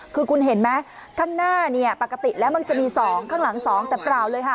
คือคุณเห็นไหมข้างหน้าเนี่ยปกติแล้วมันจะมี๒ข้างหลัง๒แต่เปล่าเลยค่ะ